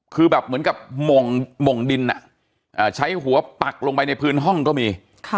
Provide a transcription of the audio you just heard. คือแบบเหมือนกับหม่งดินใช้หัวปักลงไปในพื้นห้องก็มี